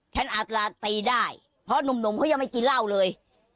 ฉันอาจจะตีได้เพราะหนุ่มเขายังไม่กินเหล้าเลย